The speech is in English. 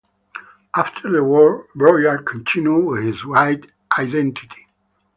After the war, Broyard continued with his white identity.